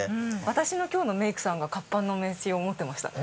私の今日のメイクさんが活版の名刺を持ってました。